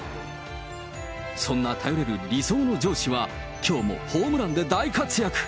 そんな頼れる理想の上司は、きょうもホームランで大活躍。